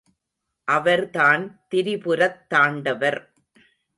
அவர்தான் திரிபுரத் தாண்டவர்.